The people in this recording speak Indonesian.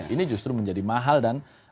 ini justru menjadi mahal dan